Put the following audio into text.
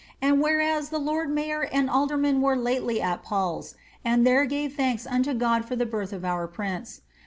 And whereas the lord mayor and aldermen were lately at PauPs, and there gave thanks unto God for the birth of our prince.